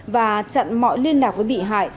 và chặn mọi liên lạc với bị hại